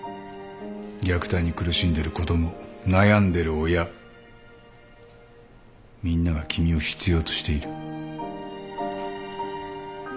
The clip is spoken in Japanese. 虐待に苦しんでる子供悩んでる親みんなが君を必要としている。